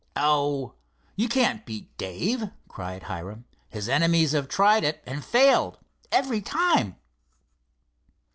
"Oh, you can't beat Dave," cried Hiram. "His enemies have tried it, and failed, every time."